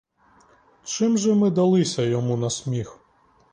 Чим же ми далися йому на сміх?